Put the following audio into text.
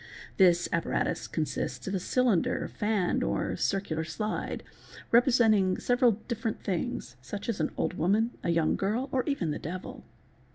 This apparatus con sists of a cylinder, fan, or circular slide, representing several different things, such as an old woman, a young girl, or even the devil.